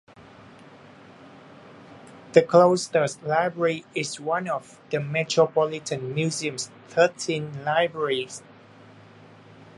The Cloisters Library is one of the Metropolitan Museum's thirteen libraries.